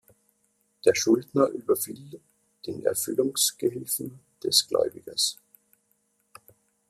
Der Schuldner überfiel den Erfüllungsgehilfen des Gläubigers.